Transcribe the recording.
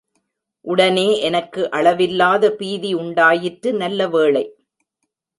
உடனே எனக்கு அளவில்லாத பீதி உண்டாயிற்று, நல்ல வேளை!